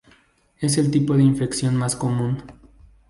Es el tipo de infección más común.